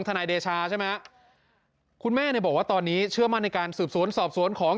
นายเดชาใช่ไหมคุณแม่เนี่ยบอกว่าตอนนี้เชื่อมั่นในการสืบสวนสอบสวนของ